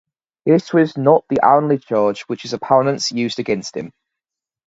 This was not the only charge which his opponents used against him.